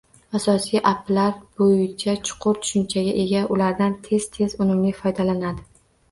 Asosiy apilar bo’yicha chuqur tushunchaga ega, ulardan tez-tez va unumli foydalanadi